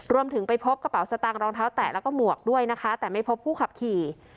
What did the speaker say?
ไปพบกระเป๋าสตางครองเท้าแตะแล้วก็หมวกด้วยนะคะแต่ไม่พบผู้ขับขี่